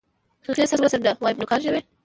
هغې سر وڅنډه ويم نوکان ژوو.